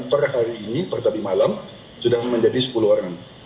per hari ini per tadi malam sudah menjadi sepuluh orang